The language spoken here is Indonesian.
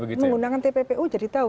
kalau mengundangkan tppu jadi tahu